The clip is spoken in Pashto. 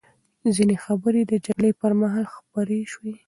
ځینې خبرې د جګړې پر مهال خپرې شوې.